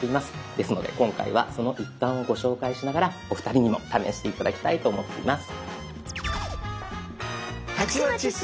ですので今回はその一端をご紹介しながらお二人にも試して頂きたいと思っています。